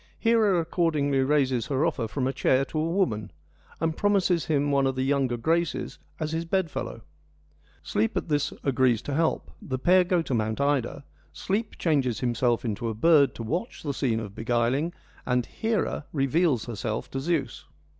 Hera accordingly raises her offer from a chair to a woman, and promises him one of the younger Graces as his bed fellow. Sleep at this agrees to help, the pair go to Mount Ida, Sleep changes himself into a bird to watch the scene of beguiling, and Hera reveals herself to Zeus.